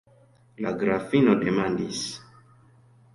La grafino demandis: